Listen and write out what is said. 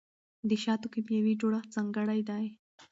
د شاتو کیمیاوي جوړښت ځانګړی دی.